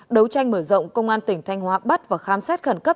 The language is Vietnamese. đấu tranh mở rộng công an tỉnh thanh hóa bắt và khám xét khẩn cấp